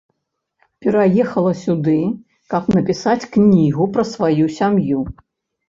Пераехала сюды, каб напісаць кнігу пра сваю сям'ю.